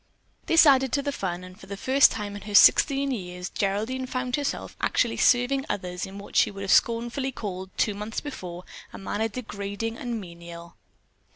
This added to the fun, and for the first time in her sixteen years Geraldine found herself actually serving others in what she would have scornfully called, two months before, a manner degrading and menial.